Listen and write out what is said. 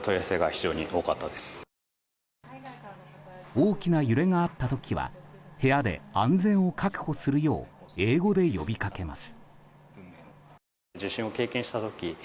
大きな揺れがあった時は部屋で安全を確保するよう英語で呼びかけます。